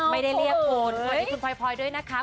ไม่ได้เรียกคนคุณพอยพอยด้วยนะคะ